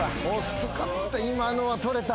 遅かった今のはとれた。